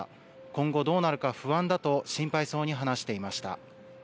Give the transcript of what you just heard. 今後どうなるか不安だと心配そうに話していました。